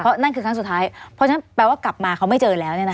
เพราะนั่นคือครั้งสุดท้ายเพราะฉะนั้นแปลว่ากลับมาเขาไม่เจอแล้ว